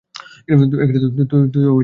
তুইও বাঁচবি না!